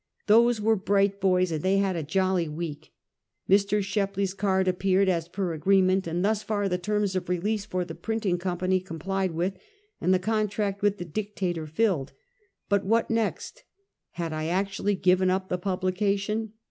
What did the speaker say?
Those were bright boys, and they had a jolly week. Mr. Shepley's card appeared, as per agreement, and thus far the terms of release for the printing company complied with, and the con tract with the Dictator filled. But what next? Had I actually given up the publication?